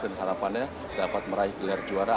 dan harapannya dapat meraih gelar juara